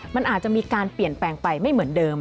มันอาจจะมีการเปลี่ยนแปลงไปไม่เหมือนเดิม